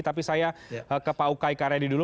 tapi saya ke pak ukay karyadi dulu